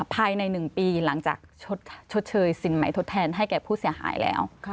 ภายใน๑ปีหลังจากชดเชยสินใหม่ทดแทนให้แก่ผู้เสียหายแล้ว